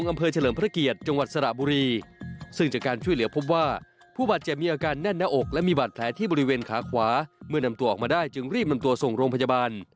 เมื่อนำตัวออกมาได้จึงรีบนำตัวส่งโรงพยาบาล